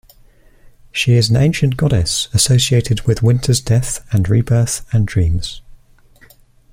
She is an ancient goddess associated with winter's death and rebirth and dreams.